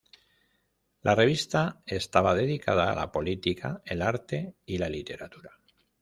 La revista estaba dedicada a la política, el arte y la literatura.